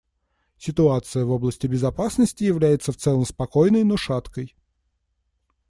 Ситуация в области безопасности является в целом спокойной, но шаткой.